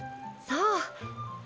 そう。